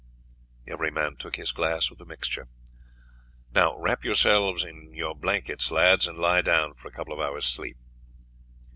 Every man took his glass of the mixture. "Now wrap yourselves in your blankets, lads, and lie down for a couple of hours' sleep."